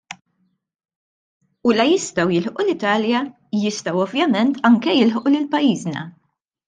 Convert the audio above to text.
U la jistgħu jilħqu l-Italja jistgħu ovvjament anke jilħqu lil pajjiżna.